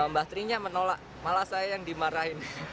mbah prinya menolak malah saya yang dimarahin